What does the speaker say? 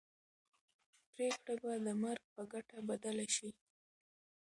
پرېکړه به د مرګ په ګټه بدله شي.